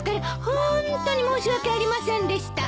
ホントに申し訳ありませんでした。